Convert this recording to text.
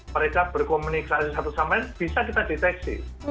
mereka berkomunikasi satu sama lain bisa kita deteksi